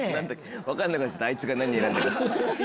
分かんなくなっちゃったあいつが何選んだか。